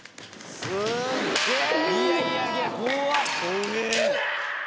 すっげぇ！